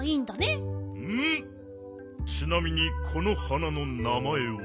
ちなみにこの花のなまえは。